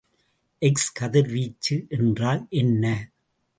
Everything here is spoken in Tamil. எக்ஸ் கதிர்வீச்சு என்றால் என்ன?